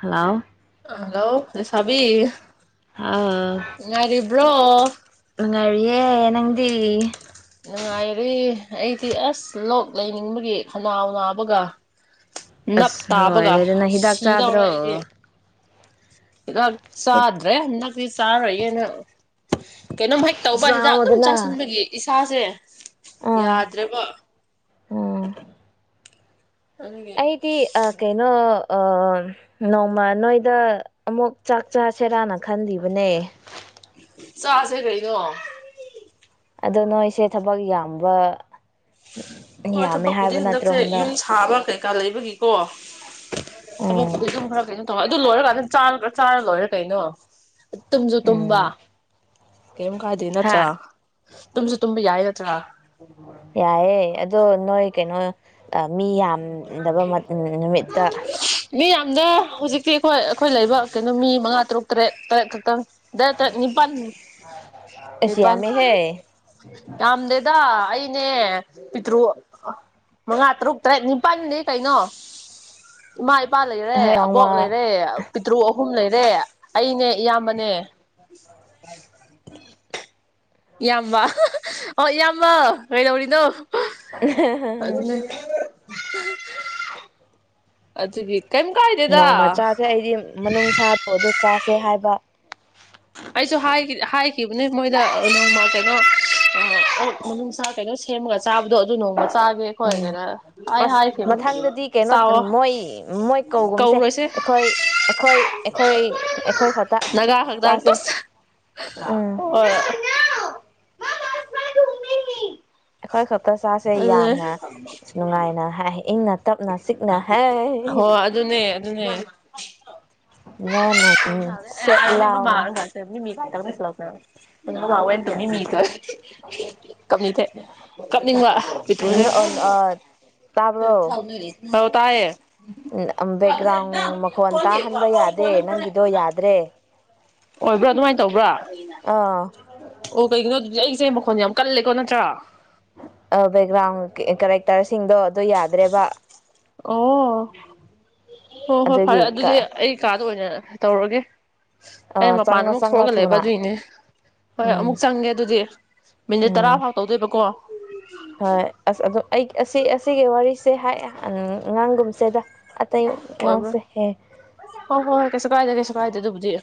hello ꯍꯜꯂꯣꯦ ꯁꯕꯤ ꯑꯉꯔꯤꯦ ꯅꯪꯗꯤ ꯅꯨꯡꯉꯥꯏꯔꯦ ꯑꯩꯗꯤ ꯑꯁ ꯂꯣꯛ ꯂꯩꯅꯤꯡꯕꯒꯤ ꯈꯅꯥꯎ ꯅꯥꯕꯒ ꯅꯞ ꯑꯁ ꯇꯥꯕꯒ ꯂꯣꯏꯔꯦꯗ ꯅꯪ ꯍꯤꯗꯥꯛ ꯁꯤꯗꯧꯔꯦ ꯆꯥꯗ꯭ꯔꯣ ꯍꯤꯠ ꯁꯥ꯭ꯔꯦ ꯐ ꯆꯥꯔꯏꯌꯦꯅ ꯀꯩꯅꯣꯝ ꯍꯦꯛ ꯇꯧꯕ ꯍꯤꯗꯥꯛ ꯑꯗꯨꯝ ꯆꯥꯎꯗꯅ ꯆꯥꯁꯤꯟꯕꯒꯤ ꯁꯥꯥꯁꯦ ꯑꯥ ꯌꯥꯗ꯭ꯔꯦꯕ ꯑꯗꯨꯒꯤ ꯑꯩꯗꯤ ꯑ ꯀꯩꯅꯣ ꯑ ꯅꯣꯡꯃ ꯅꯣꯏꯗ ꯑꯃꯨꯛ ꯆꯥꯛ ꯆꯁꯦꯔꯥꯅ ꯈꯟꯕꯤꯕꯅꯦ ꯆꯥꯁꯦ ꯀꯩꯅꯩꯅꯣ ꯑꯗꯣ ꯅꯣꯏꯁꯦ ꯊꯕꯛ ꯌꯥꯝꯕ ꯍꯣꯏ ꯌꯥꯝꯃꯦ ꯍꯥꯏꯕ ꯊꯕꯛꯄꯨꯗꯤ ꯅꯠꯇ꯭ꯔꯣ ꯍꯟꯗꯛꯁꯦ ꯌꯨꯝ ꯍꯟꯗꯛ ꯁꯥꯕ ꯀꯩꯀꯥ ꯂꯩꯕꯒꯤꯀꯣ ꯊꯕꯛ ꯎꯝ ꯑꯗꯨꯝ ꯈꯔ ꯀꯩꯅꯣ ꯇꯧꯋꯦ ꯑꯗꯨ ꯂꯣꯏꯔꯀꯥꯟꯗ ꯆ ꯆꯥꯔ ꯂꯣꯏꯔꯦ ꯀꯩꯅꯣ ꯇꯨꯝꯖꯁꯨ ꯇꯨꯝꯕ ꯎꯝ ꯀꯔꯤꯝ ꯀꯥꯏꯗꯦ ꯍꯥ ꯅꯠꯇ꯭ꯔꯥ ꯇꯨꯝꯁꯨ ꯇꯨꯝꯕ ꯌꯥꯏꯒꯗ꯭ꯔꯥ ꯌꯥꯑꯦ ꯑꯗꯣ ꯅꯣꯣꯏ ꯀꯦꯩꯅꯣ ꯃꯤ ꯌꯥꯝꯗꯕ ꯅꯨꯃꯤꯠꯇ ꯃꯤ ꯌꯥꯝꯅ ꯍꯧꯖꯤꯛꯇꯤ ꯍꯣꯏ ꯑꯩꯈꯣꯏ ꯂꯩꯕ ꯀꯩꯅꯣ ꯃꯤ ꯃꯉꯥ ꯇꯔꯨꯛ ꯇ꯭ꯔꯦꯠ ꯇ꯭ꯔꯦꯠ ꯇꯪ ꯗ ꯇꯅꯤꯄꯥꯜ ꯑꯁ ꯅꯤꯄꯥꯜ ꯌꯥꯝꯃꯦꯍꯦ ꯌꯥꯝꯝꯗꯦꯗ ꯑꯩ ꯅꯦ ꯄꯤꯇ꯭ꯔꯨ ꯃꯉꯥ ꯇꯔꯨꯛ ꯇꯔꯦꯠꯅꯤ ꯄꯟꯗꯦ ꯀꯩꯅꯣ ꯏꯃꯥ ꯏꯄꯥ ꯂꯩꯔꯦ ꯍꯣꯏ ꯅꯣꯡꯃ ꯑꯕꯣꯛ ꯂꯩꯔꯦ ꯄꯤꯇ꯭ꯔꯨ ꯑꯍꯨꯝ ꯂꯩꯔꯦ ꯑꯩꯅꯦ ꯏꯌꯥꯝꯕꯅꯦ [unintelligible] ꯏꯌꯥꯝꯕ ꯑꯣ ꯏꯌꯥꯝꯕ ꯀꯩꯗꯧꯔꯤꯅꯣ ꯑ ꯑꯆꯒꯤ ꯅꯣꯡꯃ ꯆꯁꯦ ꯑꯩꯗꯤ ꯃꯅꯨꯡꯁꯥꯗꯣ ꯑꯗꯨ ꯆꯥꯁꯦ ꯍꯥꯏꯕ ꯑꯩꯁꯨ ꯍꯥꯏꯈꯤꯕꯅꯦ ꯃꯣꯏꯗ ꯅꯣꯡꯃ ꯀꯩꯅꯣ ꯑꯣꯛ ꯃꯅꯨꯡꯅꯨꯡꯁꯥ ꯀꯩꯅꯣ ꯁꯦꯝꯃꯒ ꯆꯥꯕꯗꯣ ꯑꯗꯨ ꯅꯣꯡꯃ ꯆꯥꯒꯦꯈꯣꯏ ꯎꯝ ꯀꯩꯅꯣ ꯑꯩ ꯑꯁ ꯍꯥꯏꯈꯤꯕ ꯃꯊꯪꯗꯗꯤ ꯀꯩꯅꯣ ꯆꯥꯑꯣꯣ ꯃꯣꯏ ꯃꯣꯏ ꯀꯧꯒꯨꯝꯁꯦ ꯀꯧꯔꯣꯏꯁꯦ ꯑꯩꯈꯣꯏ ꯑꯩꯈꯣꯏ ꯑꯩꯈꯣꯏ ꯅꯒꯥ ꯈꯛꯇꯥꯡ ꯦ ꯎꯝ ꯑꯗꯨꯅꯦ ꯑꯦꯈꯣꯏ ꯈꯛꯇ ꯇ ꯆꯥꯁꯦ ꯌꯥꯝꯅ ꯑ ꯅꯨꯡꯉꯥꯏꯅ ꯍꯥꯏ ꯏꯪꯅ ꯇꯞꯅ ꯁꯤꯛꯅ ꯍꯥꯏ ꯍꯣꯏ ꯑꯗꯨꯅꯦ ꯑꯗꯨꯅꯦ ꯎ ꯁꯦꯠ ꯂꯥꯎꯅ ꯃꯤ ꯀꯁꯤ ꯂꯥꯛꯅ ꯍꯑꯣꯦꯟ ꯇꯅꯤ ꯃꯤ ꯀꯞꯅꯤꯡ ꯊꯦ ꯀꯞꯅꯤꯡꯕ ꯄꯤꯇ꯭ꯔꯨꯁꯦ ꯑꯣ ꯑ ꯇꯥꯕ꯭ꯔꯣ ꯍ ꯇꯑ ꯕꯦꯛꯒ꯭ꯔꯥꯎꯟ ꯃꯈꯣꯟ ꯇꯥꯍꯟꯕ ꯌꯥꯗꯦ ꯅꯪꯒꯤꯗꯣ ꯌꯥꯗ꯭ꯔꯦ ꯑꯣꯏꯕ꯭ꯔꯥ ꯑꯗꯨꯃꯥꯏꯅ ꯇꯧꯕ꯭ꯔꯥ ꯑꯥ ꯑꯣ ꯀꯩꯒꯤꯅꯣ ꯍꯧꯖꯤꯛ ꯑꯩꯁꯦ ꯃꯈꯣꯟ ꯌꯥꯝ ꯀꯜꯂꯦꯀꯣ ꯅꯠꯇ꯭ꯔꯥ ꯑ ꯕꯒ꯭ꯔ ꯀꯔ ꯇꯔꯁꯤꯡꯗꯣ ꯑꯗꯨ ꯌꯥꯗ꯭ꯔꯦꯕ ꯑꯣ ꯍꯣ ꯍꯣꯏ ꯐꯔꯦ ꯑꯗꯨꯒꯤ ꯑꯗꯨꯗꯤ ꯑꯩ ꯀꯥ ꯑꯗꯨ ꯑꯣꯏꯅ ꯇꯧꯔꯒꯦ ꯑꯩ ꯃꯄꯥꯟ ꯆꯪꯉꯣ ꯑꯃꯨꯛ ꯆꯪꯉꯣ ꯊꯣꯛꯑꯒ ꯂꯩꯕ ꯊꯨꯅ ꯑꯗꯨꯏꯅꯦ ꯍꯣꯏ ꯑꯃꯨꯛ ꯎꯝ ꯆꯪꯒꯦ ꯑꯗꯨꯗꯤ ꯃꯤꯅꯤꯠ ꯇꯔꯥ ꯐꯥꯎ ꯇꯧꯗꯣꯏꯕꯀꯣ ꯍꯥ ꯑ ꯑꯗꯨ ꯑꯩ ꯑꯁꯤ ꯁꯤꯒꯤ ꯋꯥꯔꯤꯁꯦ ꯍꯥꯏꯑꯦ ꯑꯉꯥꯡꯒꯨꯝꯕꯁꯤꯗ ꯑꯣꯏꯕꯨ ꯍ ꯍꯣꯏ ꯍꯣꯏ ꯀꯩꯁꯨ ꯀꯥꯏꯖꯦ ꯀꯩꯁ ꯁ꯭ꯋꯥꯏꯗ ꯑꯗꯨꯕꯨꯗꯤ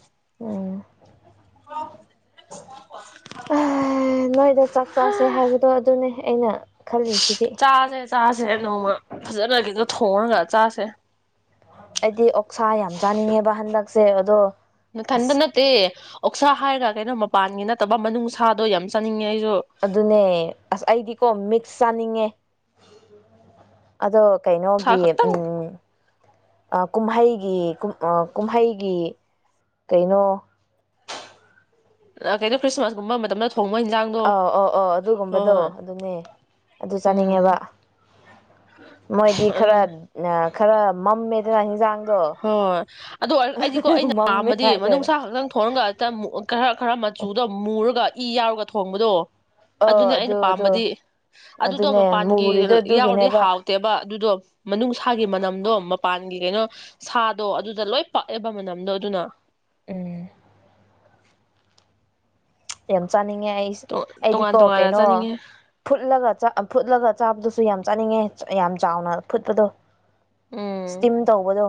ꯑꯣꯝ ꯅꯣꯏꯗ ꯆꯥꯛ ꯆꯥꯁꯦ ꯍꯥꯏꯕꯗꯣ ꯑꯗꯨꯅꯦ ꯑꯩꯅ ꯈꯜꯂꯤꯁꯤꯗꯤ ꯆꯥꯁꯦ ꯆꯥꯁꯦ ꯅꯣꯡꯃ ꯐꯖꯅ ꯈꯤꯇ ꯊꯣꯡꯉꯒ ꯆꯥꯁꯦ ꯑꯩꯗꯤ ꯑꯣꯛꯁꯥ ꯌꯥꯝ ꯆꯥꯅꯤꯡꯉꯦꯕ ꯍꯟꯗꯛꯁꯦ ꯑꯗꯣ ꯅꯊꯟꯗ ꯑꯁ ꯅꯠꯇꯦ ꯑꯣꯛꯁꯥ ꯍꯥꯏꯔꯒ ꯀꯩꯅꯣ ꯃꯄꯥꯟꯒꯤ ꯅꯠꯇꯕ ꯃꯅꯨꯡꯁꯥꯗꯣ ꯌꯥꯝ ꯆꯥꯅꯤꯡꯉꯦ ꯑꯩꯁꯨ ꯑꯗꯨꯅꯦ ꯑꯁ ꯑꯩꯗꯤꯀꯣ ꯃꯤꯛꯁ ꯆꯥꯅꯤꯡꯉꯦ ꯑꯗꯣ ꯁꯥ ꯀꯩꯅꯣꯒꯤ ꯈꯛꯇꯪ ꯎꯝ ꯀꯨꯝꯍꯩꯒꯤ ꯀꯨꯝꯍꯩꯒꯤ ꯀꯩꯅꯣ ꯑ ꯀꯩꯅꯣ ꯈ꯭ꯔꯤꯁꯃꯁꯒꯨꯝꯕ ꯃ ꯃꯇꯝꯅ ꯑꯥꯎ ꯑ ꯑꯣ ꯑꯗꯨꯒꯨꯝꯕꯗꯣ ꯍꯣꯏ ꯑꯗꯨꯅꯦ ꯑꯗꯨ ꯎꯝ ꯆꯥꯅꯤꯡꯉꯦꯕ ꯃꯣꯏꯗꯤ ꯑꯗꯨ ꯈꯔ ꯑ ꯈꯔ ꯃꯝꯃꯦꯗꯅ ꯍꯤꯟꯖꯥꯡ ꯍꯣꯏ ꯑꯗꯨ ꯑꯩꯗꯤꯀꯣ ꯃꯝꯃꯦ ꯑꯩꯅꯍꯝꯃꯗꯤ ꯍꯥꯏꯗꯣꯏꯔꯥ ꯃꯅꯨꯡꯁꯥ ꯈꯛꯇꯪ ꯊꯣꯟꯒ ꯍꯛꯇ ꯈꯔ ꯈꯔ ꯃꯆꯨꯗꯣ ꯃꯨꯔꯒ ꯏ ꯌꯥꯎꯔꯒ ꯊꯣꯡꯕꯗꯣ ꯑꯣ ꯑꯗꯨꯅꯦ ꯑꯩꯅ ꯑꯗꯨ ꯑꯗꯨ ꯄꯥꯝꯕꯗꯤ ꯑꯗꯨꯗꯣ ꯑꯗꯨꯅꯦ ꯃꯄꯥꯟꯒꯤ ꯃꯨꯔꯤꯗꯣ ꯌꯥꯎꯔꯗꯤ ꯑꯗꯨꯒꯤꯅꯦꯕ ꯍꯥꯎꯇꯦꯕ ꯑꯗꯨꯗꯣ ꯃꯅꯨꯡꯁꯥꯒꯤ ꯃꯅꯝꯗꯣ ꯃꯄꯥꯟꯒꯤ ꯀꯩꯅꯣ [inaudible] ꯁꯥꯗꯣ ꯑꯗꯨꯗ ꯂꯣꯏ ꯄꯥꯛꯑꯦꯕ ꯃꯅꯝꯗꯣ ꯑꯗꯨꯅ ꯎꯝ ꯑꯦꯦꯝꯆꯅꯤ ꯉꯥꯏꯁ ꯑꯩꯗꯤ ꯇꯣꯉꯥꯟ ꯀꯣ ꯇꯣꯉꯥꯟꯅ ꯀꯩꯅꯣ ꯆꯥꯅꯤꯡꯉꯦ ꯐꯨꯠꯂꯒ ꯆ ꯐꯨꯂ ꯆꯥꯕꯗꯨꯁꯨ ꯌꯥꯝ ꯆꯥꯅꯤꯡꯉꯦ ꯌꯥꯝ ꯆꯥꯎꯅ ꯐꯨꯠꯄꯗꯣ ꯏꯁꯇꯤꯝ ꯇꯧꯕꯗꯣ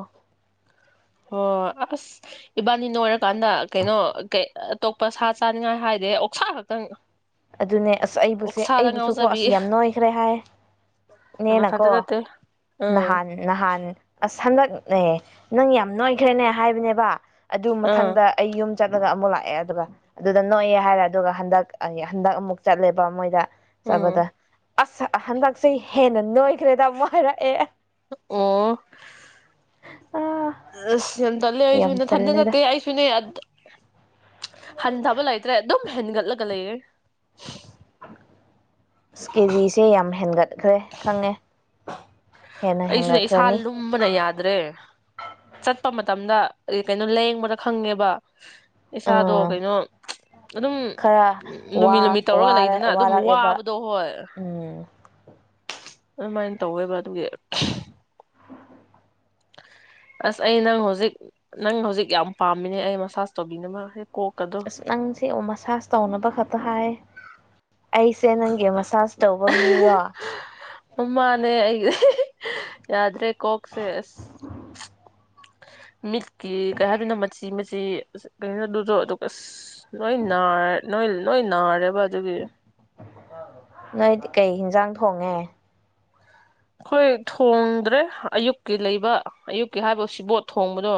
ꯍꯣ ꯑꯁ ꯏꯕꯥꯅꯤꯅꯣꯏꯔꯀꯥꯟꯗ ꯀꯩꯅꯣ ꯀ ꯑꯇꯣꯞꯄ ꯁꯥ ꯆꯥꯅꯤꯡꯉꯥꯏ ꯍꯥꯏꯗꯤꯦ ꯑꯣꯛꯁꯥ ꯈꯛꯇꯪ ꯑꯗꯨꯅꯦ ꯑꯁ ꯑꯩꯕꯨꯁꯦ ꯑꯣꯛꯁꯥꯗ ꯑꯩꯕꯨꯁꯨꯀꯣ ꯉꯥꯎꯖꯕꯤ ꯑꯁ ꯌꯥꯝ ꯅꯣꯏꯈ꯭ꯔꯦ ꯍꯥꯏꯌ ꯃꯊꯟꯇ ꯅꯦꯅꯀꯣ ꯅꯠꯇꯦ ꯎꯝ ꯅꯍꯥꯟ ꯅꯍꯥꯟ ꯑꯁ ꯍꯟꯗꯛꯅꯦ ꯅꯪ ꯌꯥꯝ ꯅꯣꯏꯈ꯭ꯔꯦꯅꯦ ꯍꯥꯏꯕꯅꯦꯕ ꯑꯗꯨ ꯑꯥ ꯃꯊꯪꯗ ꯑꯩ ꯌꯨꯝ ꯆꯠꯂꯒ ꯑꯃꯨꯛ ꯂꯥꯛꯑꯦ ꯑꯗꯨꯒ ꯑꯗꯨꯗ ꯅꯣꯏꯑꯦ ꯍꯥꯏꯔꯦ ꯑꯗꯨꯒ ꯍꯟꯗꯛ ꯍꯟꯗꯛ ꯑꯃꯨꯛ ꯆꯠꯂꯦꯕ ꯃꯣꯏꯗ ꯎꯝ ꯆꯕꯗ ꯑꯁ ꯑꯍꯟꯗꯛꯁꯦ ꯍꯦꯟꯅ ꯅꯣꯏꯈ꯭ꯔꯦꯗ ꯃꯨꯛ ꯍꯥꯏꯔꯛꯑꯦ ꯑꯣ ꯑꯥ ꯑꯁ ꯌꯥꯝ ꯗꯂꯦ ꯌꯥꯝ ꯍꯥꯏꯁꯨꯅ ꯊꯟꯗ ꯅ ꯇꯜꯂꯦꯗ ꯍꯥꯏꯁꯨꯅꯦ ꯍꯟꯗꯕꯜꯥꯏꯇ꯭ꯔꯦ ꯑꯗꯨ ꯍꯦꯟꯒꯠꯂꯒꯂ ꯏꯔ ꯀꯦꯖꯤꯁꯦ ꯌꯥꯝ ꯍꯦꯟꯒꯠ ꯆꯠꯈ꯭ꯔꯦ ꯈꯪꯉꯦ ꯍꯦꯟꯅ ꯑꯩꯁꯨꯅꯦ ꯏꯁꯥ ꯍꯦꯟꯒꯠꯈ꯭ꯔꯅꯤ ꯂꯨꯝꯕꯅ ꯌꯥꯗ꯭ꯔꯦ ꯆꯠꯄ ꯃꯇꯝꯗ ꯀꯩꯅꯣ ꯂꯦꯡꯕꯗ ꯈꯪꯉꯦꯕ ꯏꯁꯥꯗꯣ ꯎꯝ ꯀꯩꯅꯣ ꯑꯗꯨꯝꯝ ꯈꯔ ꯅꯨꯃꯤꯠ ꯋꯥ ꯅꯨꯃꯤꯠ ꯇꯧꯔꯒ ꯂꯩꯗꯅ ꯑꯗꯨꯝ ꯋꯥꯔꯛꯑꯦꯕ ꯋꯥꯕꯗꯣ ꯍꯣꯏ ꯎꯝ ꯑꯗꯨꯃꯥꯏꯅ ꯇꯧꯋꯦꯕ ꯑꯗꯨꯒꯤ [inaudible] [inaudible] ꯑꯁ ꯑꯩ ꯅꯪ ꯍꯧꯖꯤꯛ ꯅꯪ ꯍꯧꯖꯤꯛ ꯌꯥꯝ ꯄꯥꯝꯃꯤꯅꯦ ꯑꯩ ꯃꯁꯥꯁ ꯇꯧꯕꯤꯅꯕ ꯀꯣꯛꯀꯗꯣ ꯑꯁ ꯅꯪꯁꯦ ꯃꯁꯥꯁ ꯇꯧꯅꯕ ꯈꯛꯇ ꯍꯥꯏ ꯑꯩꯁꯦ ꯅꯪꯦ ꯃꯁꯥꯖ ꯇꯧꯕ ꯃꯤꯔꯣ ꯎꯃꯅꯦ ꯑꯩ ꯌꯥꯗ꯭ꯔꯦ ꯀꯣꯛꯣꯛꯁꯦꯁ ꯃꯤꯠꯀꯤ ꯀꯩ ꯍꯥꯏꯗꯅꯣ ꯃꯆꯤ ꯃꯆ ꯑ ꯀꯩꯅꯣꯗ ꯑꯁ ꯅꯣꯏ ꯅꯅꯥꯔ ꯅꯣꯏ ꯅꯣꯏ ꯅꯥꯔꯦꯕ ꯑꯗꯨꯒꯤ ꯅꯣꯏꯗꯤ ꯀꯩ ꯍꯟꯖꯥꯡ ꯊꯣꯡꯉꯦ ꯑꯩꯈꯣꯏ ꯊꯣꯡꯗ꯭ꯔꯦ ꯑꯌꯨꯛꯀꯤ ꯂꯩꯕ ꯑꯌꯨꯛꯀꯤ ꯍꯥꯏꯕ ꯁꯤꯕꯣꯠ ꯊꯣꯡꯕꯗꯣ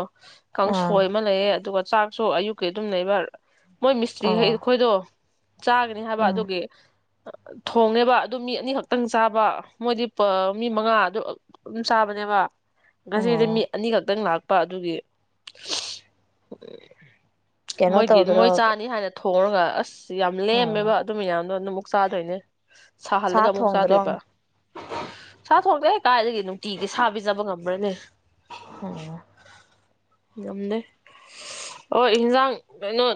ꯀꯥꯡꯁꯣꯏ ꯑꯥ ꯑꯃ ꯂꯩꯌꯦ ꯑꯗꯨꯒ ꯆꯥꯛꯁꯨ ꯑꯌꯨꯛꯀꯤ ꯑꯗꯨꯝ ꯂꯩꯕ ꯃꯣꯏ ꯃꯤꯁꯇ꯭ꯔꯤ ꯍꯩ ꯑꯣ ꯑꯩꯈꯣꯏꯗꯣ ꯆꯥꯒꯅꯤ ꯍꯥꯏꯕ ꯎꯝ ꯑꯗꯨꯒꯤ ꯊꯣꯡꯅꯦꯕ ꯑꯗꯨ ꯃꯤ ꯑꯅꯤꯈꯛ ꯈꯤꯇꯪ ꯆꯥꯕ ꯃꯣꯏꯗꯤ ꯃꯤ ꯃꯉꯥ ꯑꯗꯨ ꯑꯗꯨꯝ ꯆꯥꯕꯅꯦꯕ ꯉꯁꯤꯗꯤ ꯃꯤ ꯑꯣ ꯑꯅꯤꯈꯛꯇꯪ ꯂꯥꯛ ꯅꯨꯄꯥ ꯑꯗꯨꯒꯤ ꯀꯩꯅꯣ ꯃꯣꯏꯒꯤ ꯃꯣꯏ ꯇꯧꯗ꯭ꯔꯣ ꯆꯥꯅꯤ ꯍꯥꯏꯅ ꯍꯣꯡꯒ ꯑꯁ ꯌꯥꯝ ꯂꯦꯝꯃꯦꯕ ꯑꯣ ꯑꯗꯨ ꯃꯌꯥꯝꯗꯣ ꯑꯗꯨ ꯅꯁꯥꯗ ꯍꯣꯏꯅꯦ ꯁꯥꯍꯜꯂꯒ ꯁꯥ ꯑꯃꯨꯛ ꯆꯥꯗꯣꯏꯕ ꯊꯣꯡꯗ꯭ꯔꯣ ꯁꯥ ꯊꯣꯡꯗꯦ ꯀꯥꯏꯗꯒꯤ ꯅꯨꯡꯇꯤꯒꯤ ꯁꯥꯕꯤꯖꯕ ꯉꯝꯕ꯭ꯔꯅꯦ ꯑꯝ ꯉꯝꯗꯦ ꯍꯣꯏ ꯏꯟꯖꯥꯡ ꯀꯩꯅꯣ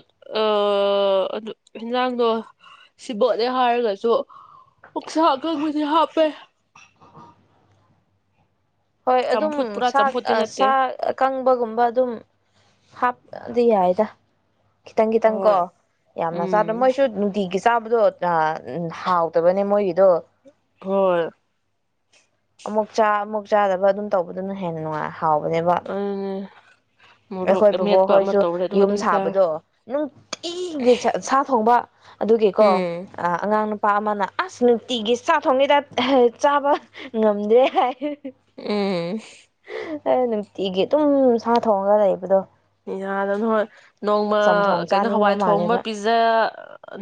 ꯑꯗꯨ ꯑꯦꯟꯖꯥꯡꯗꯣ ꯁꯤꯕꯣꯠꯅꯦ ꯍꯥꯏꯔꯒꯁꯨ ꯑꯣꯛꯁꯒꯪꯕꯁꯦ ꯍꯥꯞꯄꯦ ꯍꯣꯏ ꯑꯗꯨꯝ ꯆꯝꯐꯨꯠ ꯄꯨꯔꯥ ꯆꯥꯛ ꯆꯝꯐꯨꯠꯇꯤ ꯅꯠꯇꯦ ꯁꯥ ꯑꯀꯪꯕꯒꯨꯝꯕ ꯑꯗꯨꯝ ꯍꯥ ꯑꯗꯨꯗꯤ ꯌꯥꯏꯗ ꯈꯤꯇꯪ ꯈꯤꯇꯪ ꯀꯣ ꯍꯣꯏ ꯌꯥꯝꯅ ꯆꯥꯗ ꯎꯝ ꯃꯣꯏꯁꯨ ꯅꯨꯡꯇꯤꯒꯤ ꯆꯥꯕꯗꯣ ꯍꯥꯎꯇꯕꯅꯦ ꯃꯣꯏꯒꯤꯗꯣ ꯍꯣꯏ ꯑꯃꯨꯛ ꯆꯥ ꯑꯃꯨꯛ ꯆꯥꯗꯕ ꯑꯗꯨꯝ ꯇꯧꯕꯗꯨꯅ ꯍꯦꯟꯅ ꯅꯨꯡꯉꯥꯏ ꯍꯥꯎꯕꯅꯦꯕ ꯑꯗꯨꯅꯦ ꯃꯣꯔꯣꯛ ꯑꯩꯈꯣꯏ ꯕꯕꯣꯛ ꯑꯃꯦꯠꯄ ꯑꯃ ꯍꯣꯏꯁꯨ ꯇꯧꯔꯦ ꯑꯗꯨꯒ ꯌꯨꯝ ꯑꯗꯨꯝ ꯆꯥꯔꯦ ꯁꯥꯕꯗꯣ ꯅꯨꯡꯇꯤꯒꯤ ꯁꯥ ꯊꯣꯡꯕ ꯑꯗꯨꯒꯤꯀꯣ ꯎꯝ ꯑꯉꯥꯡ ꯄꯥ ꯑꯃꯅ ꯑꯁ ꯅꯨꯡꯇꯤꯒꯤ ꯆꯥ ꯊꯣꯡꯉꯩꯗ ꯆꯥꯕ ꯉꯝꯗ꯭ꯔꯦ ꯍꯥꯏ ꯎꯝ ꯑꯦ ꯅꯨꯡꯇꯤꯒꯤ ꯑꯗꯨꯝ ꯁꯥ ꯊꯣꯡꯉꯒ ꯂꯩꯕꯗꯣ ꯌꯥꯗ ꯍꯣꯏ ꯅꯣꯡꯃ ꯆꯝꯊꯣꯡ ꯀꯩꯅꯣ ꯆꯥꯅꯤꯡꯕ ꯍꯋꯥꯏ ꯊꯣꯡꯕ ꯃꯥꯜꯂꯦꯕ ꯄꯤꯖ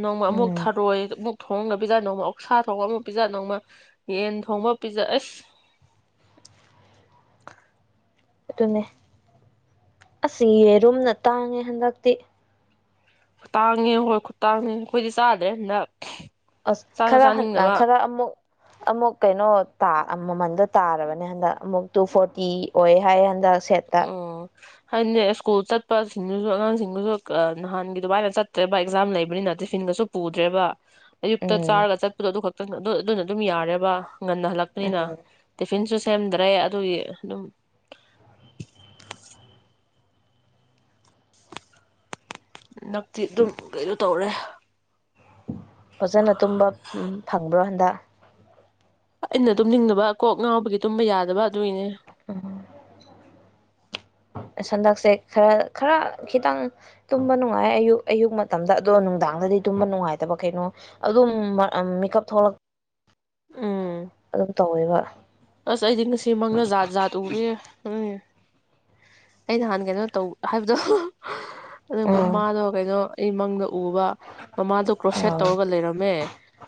ꯅꯣꯡꯃ ꯑꯃꯨꯛ ꯎꯝ ꯊꯔꯣꯏ ꯑꯃꯨꯛ ꯊꯣꯡꯉ ꯄꯤꯖꯥ ꯅꯣꯡꯃ ꯑꯣꯛꯁꯥ ꯊꯣꯡꯕ ꯑꯃ ꯄꯤꯖ ꯅꯣꯡꯃ ꯌꯦꯟ ꯊꯣꯡꯕ ꯑꯃ ꯄꯤꯖ ꯑꯁ ꯑꯗꯨꯅꯦ ꯑꯁ ꯌꯦꯔꯨꯝꯅ ꯇꯥꯡꯉꯦ ꯍꯟꯗꯛꯇꯤ ꯇꯥꯡꯉꯦꯉꯣ ꯍꯣꯏ ꯇꯥꯡꯉꯦ ꯑꯩꯈꯣꯏꯗꯤ ꯆꯥꯗ꯭ꯔꯦ ꯍꯟꯗꯛ ꯑꯁ ꯆꯥꯁꯨ ꯈꯔ ꯆꯥꯅꯤꯡꯗꯕ ꯈꯔ ꯑꯃꯨꯛ ꯑꯃꯨꯛ ꯀꯩꯅꯣ ꯃꯃꯟꯗꯣ ꯇꯥꯔꯕꯅꯦ ꯍꯟꯗꯛ ꯑꯃꯨꯛ ꯇꯨ ꯐꯣꯔꯇꯤ ꯑꯣꯏ ꯍꯥꯏ ꯍꯟꯗꯛ ꯁꯦꯠꯇꯥ ꯍꯥꯏꯅꯦ ꯁ꯭ꯀꯨꯜ ꯆꯠꯄꯁꯤꯡꯗꯨꯁꯨ ꯑꯉꯥꯡꯁꯤꯡꯗꯨꯁꯨ ꯅꯍꯥꯟꯒꯤ ꯑꯗꯨꯃꯥꯏꯅ ꯆꯠꯇ꯭ꯔꯦꯕ ꯑꯦꯛꯖꯥꯝ ꯂꯩꯕꯅꯤꯅ ꯇꯤꯐꯤꯟꯒꯁꯨ ꯄꯨꯗ꯭ꯔꯦꯕ ꯑꯌꯨꯛꯇ ꯎꯝ ꯆꯥꯔꯒ ꯆꯠꯄꯗꯣ ꯑꯗꯨꯈꯛ ꯑꯗꯨꯅ ꯑꯗꯨꯝ ꯌꯥꯔꯦꯕ ꯉꯟꯅ ꯍꯜꯂꯛꯄꯅꯤꯅ ꯇꯤꯐꯤꯟꯁꯨ ꯁꯦꯝꯗ꯭ꯔꯦ ꯑꯗꯨꯒꯤ ꯑꯗꯨꯝ ꯍꯟꯗꯛꯇꯤ ꯑꯗꯨꯝ ꯀꯩꯅꯣ ꯇꯧꯔꯦ ꯐꯖꯅ ꯇꯨꯝꯕ ꯎꯝ ꯐꯪꯕ꯭ꯔꯣ ꯍꯟꯗꯛ ꯑꯩꯅ ꯇꯨꯝꯅꯤꯡꯗꯕ ꯀꯣꯛ ꯉꯥꯎꯕꯒꯤ ꯇꯨꯝꯕ ꯌꯥꯗꯕ ꯑꯗꯨꯒꯤꯅꯦ ꯎ‌ꯝ ꯍꯟꯗꯛꯁꯦ ꯈꯔ ꯈꯔ ꯈꯤꯇꯪ ꯇꯨꯝꯕ ꯅꯨꯡꯉꯥꯏ ꯑꯌꯨꯛ ꯑꯌꯨꯛ ꯃꯇꯝꯗ ꯑꯗꯣ ꯅꯨꯡꯗꯥꯡꯗꯗꯤ ꯇꯨꯝꯕ ꯅꯨꯡꯉꯥꯏꯇꯕ ꯀꯩꯅꯣ ꯑꯗꯨꯝ ꯃꯤꯀꯞ ꯊꯣꯛꯂꯛ ꯎꯝ ꯑꯗꯨꯝ ꯇꯧꯋꯦꯕ ꯑꯁ ꯑꯩꯗꯤ ꯉꯁꯤ ꯃꯪꯗ ꯖꯥꯠ ꯖꯥꯠ ꯎꯔꯦ ꯑꯩ ꯅꯍꯥꯟ ꯀꯩꯅꯣ ꯇꯧ ꯍꯥꯏꯕꯗꯣ ꯑꯗꯨ ꯎꯝ ꯃꯃꯥꯗꯣ ꯀꯩꯅꯣ ꯑꯩ ꯃꯪꯗ ꯎꯕ ꯃꯃꯥꯗꯣ ꯀ꯭ꯔꯣꯁꯦꯠ ꯑꯥꯎ ꯇꯧꯔꯒ ꯂꯩꯔꯝꯃꯦ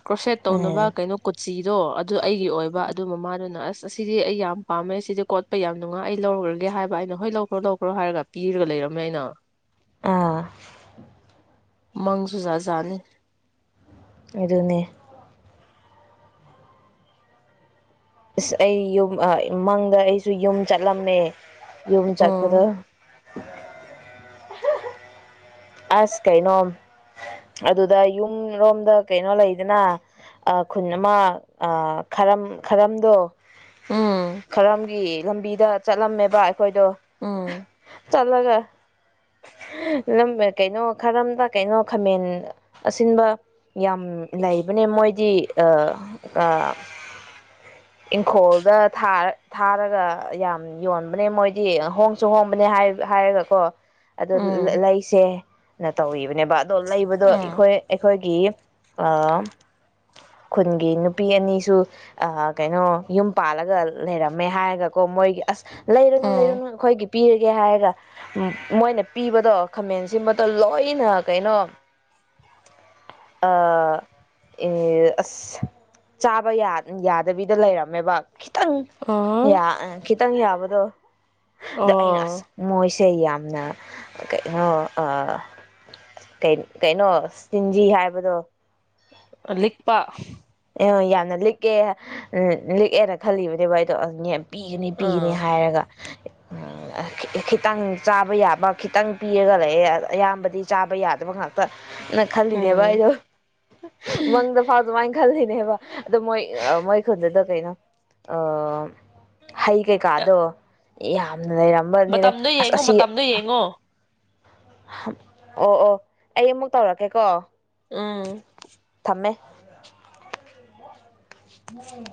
ꯀ꯭ꯔꯣꯁꯦꯠ ꯇꯧꯅꯕ ꯎꯝ ꯀꯩꯅꯣ ꯀꯨꯆꯤꯗꯣ ꯑꯗꯨ ꯑꯩꯒꯤ ꯑꯣꯏꯕ ꯑꯗꯨ ꯃꯃꯥꯗꯨꯅ ꯑꯁ ꯑꯁꯤꯗꯤ ꯑꯩ ꯌꯥꯝ ꯄꯥꯝꯃꯦ ꯁꯤꯗꯤ ꯀꯣꯠꯄ ꯌꯥꯝ ꯅꯨꯡꯉꯥꯏ ꯑꯩ ꯂꯧꯈ꯭ꯔꯒꯦ ꯍꯥꯏꯕ ꯑꯩꯅ ꯍꯣꯏ ꯂꯧꯈ꯭ꯔꯣ ꯂꯧꯈ꯭ꯔꯣ ꯍꯥꯏꯔꯒ ꯄꯤꯔꯒ ꯂꯩꯔꯝꯃꯦ ꯑꯩꯅ ꯑ ꯃꯪꯁꯨꯨ ꯖꯥꯠ ꯖꯥꯠꯅꯦ ꯑꯗꯨꯅꯦ ꯑꯁ ꯑꯩ ꯌꯨꯝ ꯃꯪꯗ ꯑꯩꯁꯨ ꯌꯨꯝ ꯆꯠꯂꯝꯃꯦ ꯌꯨꯝꯆꯠꯄꯗ ꯎꯝ [unintelligible] ꯑꯁ ꯀꯩꯅꯣ ꯑꯗꯨꯗ ꯌꯨꯝꯔꯣꯝꯗ ꯀꯩꯅꯣ ꯂꯩꯗꯅ ꯈꯨꯟ ꯑꯃ ꯈꯔꯝ ꯈꯔꯝꯗꯣ ꯎꯝ ꯈꯔꯝꯒꯤ ꯂꯝꯕꯤꯗ ꯆꯠꯂꯝꯃꯦꯕ ꯑꯩꯈꯣꯏꯗꯣ ꯎꯝ ꯆꯠꯂꯒ ꯂꯝ ꯑ ꯀꯩꯅꯣ ꯈꯔꯝꯗ ꯀꯩꯅꯣ ꯈꯥꯃꯦꯟ ꯑꯁꯤꯟꯕ ꯌꯥꯝ ꯂꯩꯕꯅꯦ ꯃꯣꯏꯗꯤ ꯑ ꯑ ꯏꯪꯈꯣꯜꯗꯥ ꯊꯥꯔꯒ ꯌꯥꯝ ꯌꯣꯟꯕꯅꯦ ꯃꯣꯏꯗꯤ ꯍꯣꯡꯁꯨ ꯍꯣꯡꯕꯅꯦ ꯍꯥꯏꯔꯒꯀꯣ ꯑꯗꯣ ꯎꯝ ꯂꯩꯁꯦ ꯅ ꯇꯧꯕꯅꯦꯕ ꯂꯩꯕꯗꯣ ꯎꯝ ꯑꯩꯈꯣꯏ ꯑꯩꯈꯣꯏ ꯒꯤ ꯑ ꯈꯨꯟꯒꯤ ꯅꯨꯄꯤ ꯑꯅꯤꯁꯨ ꯑ ꯀꯩꯅꯣ ꯌꯨꯝ ꯄꯥꯜꯂꯒ ꯂꯩꯔꯝꯃꯦ ꯍꯥꯏꯔꯒꯀꯣ ꯃꯣꯏꯒꯤ ꯑꯁ ꯂꯩꯔꯨꯅꯨ ꯎꯝ ꯂꯩꯔꯨꯅꯨ ꯑꯩꯈꯣꯏꯒꯤ ꯄꯤꯔꯒꯦ ꯍꯥꯏꯔꯒ ꯃꯣꯏꯅ ꯄꯤꯕꯗꯣ ꯈꯥꯃꯦꯟꯁꯤꯃ ꯂꯣꯏꯅ ꯀꯩꯅꯣ ꯑꯁ ꯆꯥꯕ ꯌꯥꯗꯕꯤꯗ ꯂꯩꯔꯝꯃꯦꯕ ꯈꯤꯇꯪ ꯑꯣ ꯍꯈꯤ ꯈꯤꯇꯪ ꯌꯥꯕꯗꯣ ꯑꯅ ꯑꯣ ꯑꯁ ꯃꯣꯖ ꯏꯆꯦ ꯌꯥꯝꯅ ꯀꯩꯅꯣ ꯀꯩꯅꯣ ꯇꯤꯟꯖꯤ ꯍꯥꯏꯕꯗꯣ ꯂꯤꯛꯄꯥ ꯑꯦ ꯌꯥꯝꯅ ꯂꯤꯛꯑꯦ ꯂꯤꯛꯑꯦꯅ ꯈꯜꯂꯤꯕꯅꯦꯕ ꯑꯩꯗꯣ ꯄꯤꯒꯅꯤ ꯄꯤꯒꯅꯤ ꯑꯥ ꯍꯥꯏꯔꯒ ꯈꯤꯇꯪ ꯆꯥꯕ ꯌꯥꯕ ꯈꯤꯇꯪ ꯄꯤꯔꯒ ꯂꯩꯑꯦ ꯑꯌꯥꯝꯕꯗꯤ ꯆꯥꯕ ꯌꯥꯗꯕ ꯉꯥꯛꯇ ꯅꯪ ꯈꯜꯂꯤꯗꯦꯕꯚ ꯎꯝ ꯑꯩꯗꯣ ꯃꯪꯗ ꯐꯥꯎ ꯈꯜꯂꯤꯅꯦ ꯍꯥꯏꯕ ꯑꯗꯣ ꯃꯣꯏ ꯃꯣꯏ ꯈꯨꯟꯗꯨꯗ ꯀꯩꯅꯣ ꯑ ꯍꯩ ꯀꯩꯀꯥꯗꯣ ꯌꯥ ꯂꯩꯔꯝꯕꯅꯤꯗ ꯃꯇꯝꯗꯣ ꯑꯁ ꯌꯦꯡꯉꯣ ꯑꯁꯤ ꯃꯇꯝꯗꯣ ꯌꯦꯡꯉꯣ ꯑꯣ ꯑꯣ ꯑꯩ ꯑꯃꯨꯛ ꯇꯧꯔꯛꯀꯦꯀꯣ ꯎꯝ ꯃꯃꯦ ꯎꯝ